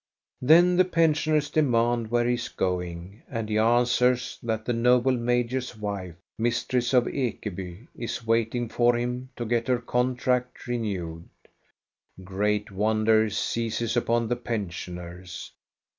Then the pensioners demand where he is going; and he answers that the noble major's wife, mistress of Ekeby, is waiting for him to get her contract renewed. Great wonder seizes upon the pensioners.